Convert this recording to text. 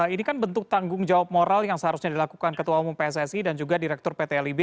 ini kan bentuk tanggung jawab moral yang seharusnya dilakukan ketua umum pssi dan juga direktur pt lib